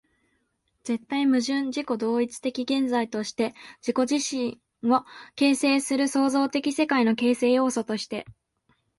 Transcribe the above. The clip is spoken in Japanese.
絶対矛盾的自己同一的現在として、自己自身を形成する創造的世界の形成要素として、